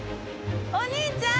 お兄ちゃん！